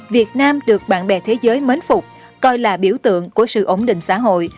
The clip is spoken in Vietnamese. việt nam được bạn bè thế giới mến phục coi là biểu tượng của sự ổn định xã hội